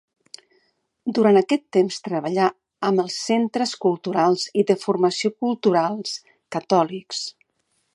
Durant aquest temps treballà amb els centres culturals i de formació culturals catòlics.